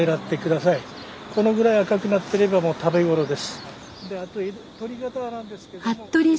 このぐらい赤くなってればもう食べ頃です。